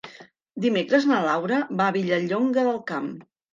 Dimecres na Laura va a Vilallonga del Camp.